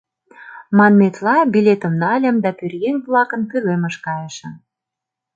Манметла, билетым нальым да пӧръеҥ-влакын пӧлемыш кайышым.